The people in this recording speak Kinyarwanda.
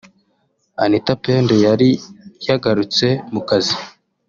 Anitha Pendo yari yagarutse mu kazi